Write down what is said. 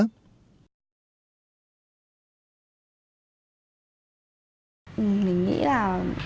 mình nghĩ là